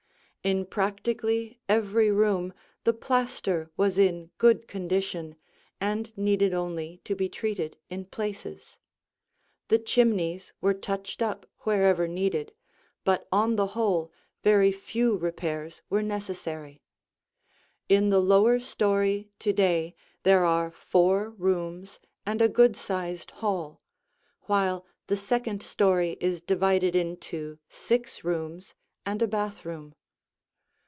In practically every room the plaster was in good condition and needed only to be treated in places. The chimneys were touched up wherever needed, but on the whole very few repairs were necessary. In the lower story to day there are four rooms and a good sized hall, while the second story is divided into six rooms and a bathroom.